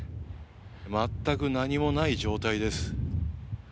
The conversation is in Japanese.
全く何もない状態です。